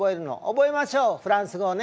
覚えましょうフランス語をね。